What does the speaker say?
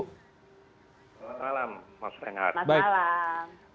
selamat malam mas renhar